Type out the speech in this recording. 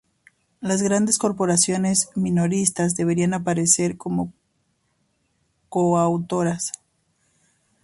las grandes corporaciones minoristas deberían aparecer como coautoras